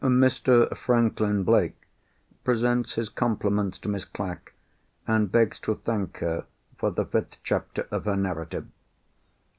"Mr. Franklin Blake presents his compliments to Miss Clack, and begs to thank her for the fifth chapter of her narrative.